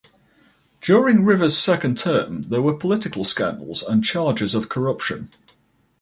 During Rivers' second term, there were political scandals and charges of corruption.